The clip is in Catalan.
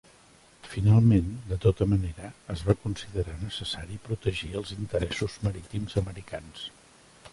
Finalment, de tota manera, es va considerar necessari protegir els interessos marítims americans.